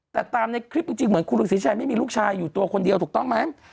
แต่ตามในคลิปจริงเหมือนคุณรุงศรีชัยไม่มีลูกชายอยู่ตัวคนเดียวถูกต้องไหม